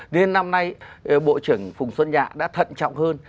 nên năm nay bộ trưởng phùng xuân nhạ đã thận trọng hơn